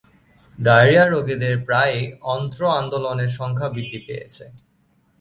Diarrhoea রোগীদের প্রায়ই অন্ত্র আন্দোলনের সংখ্যা বৃদ্ধি পেয়েছে।